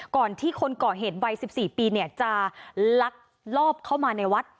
ก่อนที่คนก่อเหตุใบสิบสี่ปีเนี่ยจะลักลอบเข้ามาในวัด